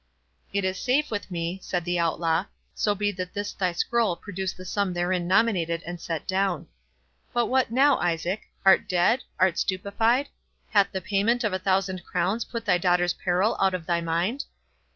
"It is safe with me," said the Outlaw, "so be that this thy scroll produce the sum therein nominated and set down.—But what now, Isaac? art dead? art stupefied? hath the payment of a thousand crowns put thy daughter's peril out of thy mind?"